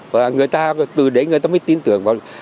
và người ta từ đấy người ta mới tin tưởng vào